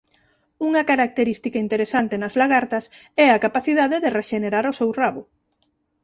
Unha característica interesante nas lagartas é a capacidade de rexenerar o seu rabo.